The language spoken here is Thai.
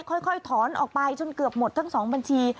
ค่อยถอนออกไปจนเกือบหมดทั้ง๒บัญชี